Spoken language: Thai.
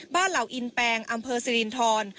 เหล่าอินแปงอำเภอสิรินทร